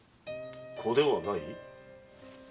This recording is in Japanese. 子ではない？